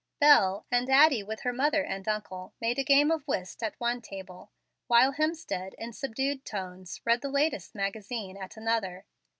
Bel, and Addie with her mother and uncle, made a game of whist at one table; while Hemstead in subdued tones read the latest magazine at another.